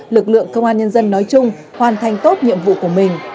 lực lượng công an nhân dân nói chung hoàn thành tốt nhiệm vụ của mình